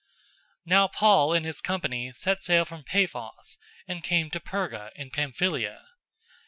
013:013 Now Paul and his company set sail from Paphos, and came to Perga in Pamphylia.